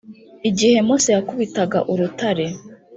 igihe Mose yakubitaga urutare